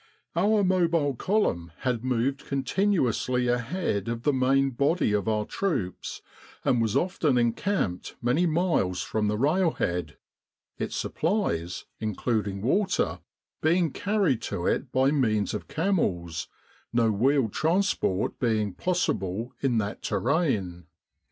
Our Mobile Column had moved continuously ahead of the main body of our troops, and was often encamped many miles from the railhead, its supplies, including water, being carried to it by means of camels, no wheeled transport being possible in that terrain.